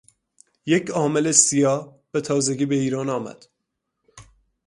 یک عامل سیا به تازگی به ایران آمد.